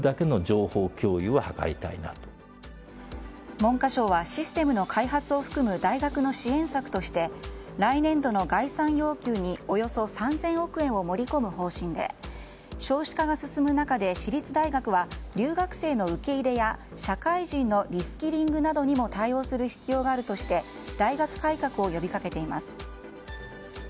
文科省はシステムの開発を含む大学の支援策として来年度の概算要求におよそ３０００億円を盛り込む方針で少子化が進む中で私立大学は留学生の受け入れや社会人のリスキリングなどにも対応する必要があるとして大学改革を呼びかけています。